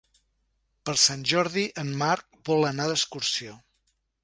Per Sant Jordi en Marc vol anar d'excursió.